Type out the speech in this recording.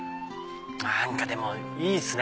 何かでもいいっすね。